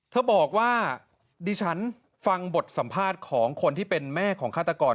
เธอบอกว่าดิฉันฟังบทสัมภาษณ์ของคนที่เป็นแม่ของฆาตกร